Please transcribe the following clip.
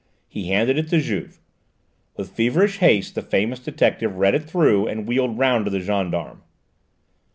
He handed it to Juve. With feverish haste the famous detective read it through and wheeled round to the gendarme.